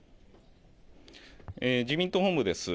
自民党本部です。